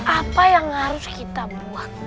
apa yang harus kita buat